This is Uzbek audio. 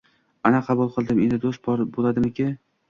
“Ana, qabul qildim, endi do’st bo’ldikmi?”